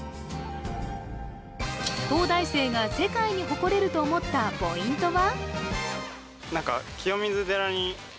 東大生が世界に誇れると思ったポイントは？